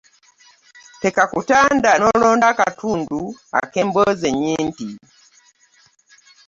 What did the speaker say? Tekakutanda n’olonda akatundu ak’emboozi ennyimpi.